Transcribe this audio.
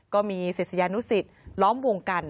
ก็มีศิษยานุสิตล้อมวงกัน